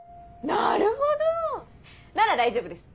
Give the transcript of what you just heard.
なるほどなら大丈夫です！